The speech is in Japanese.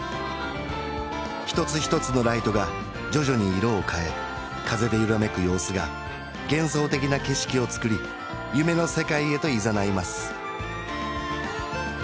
一つ一つのライトが徐々に色を変え風で色めく様子が幻想的な景色を作り夢の世界へといざないます